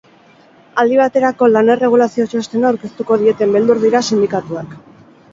Aldi baterako lan erregulazio txostena aurkeztuko dieten beldur dira sindikatuak.